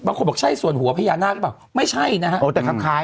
บางคนบอกใช่ส่วนหัวพญานาคหรือเปล่าไม่ใช่นะฮะโอ้แต่คล้าย